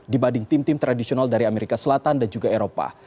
dibanding tim tim tradisional dari amerika selatan dan juga eropa